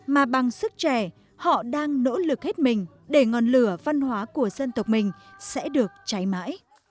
mà bằng sức trẻ họ đang nỗ lực hết mình để ngọn lửa văn hóa của dân tộc mình sẽ được cháy mãi